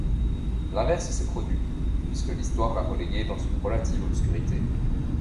L'inverse s'est produit, puisque l'histoire l'a relégué dans une relative obscurité.